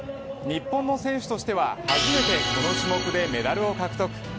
日本の選手としては初めてこの種目でメダルを獲得。